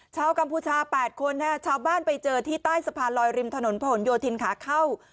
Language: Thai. กัมพูชา๘คนชาวบ้านไปเจอที่ใต้สะพานลอยริมถนนผนโยธินขาเข้า